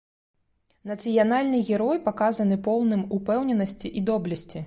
Нацыянальны герой паказаны поўным упэўненасці і доблесці.